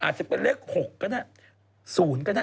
ปลาหมึกแท้เต่าทองอร่อยทั้งชนิดเส้นบดเต็มตัว